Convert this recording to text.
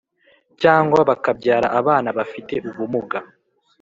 cyangwa bakabyara abana bafite ubumuga